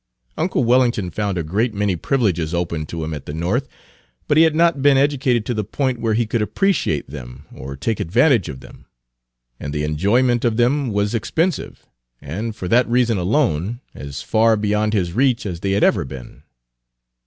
Uncle Wellington found a great many privileges open to him at the North, but he had not been educated to the point where he could appreciate them or take advantage of them; and the enjoyment of many of them was expensive, and, for that reason alone, as far beyond his reach as they had ever been.